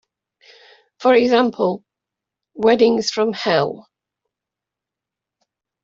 For example, "Weddings from Hell".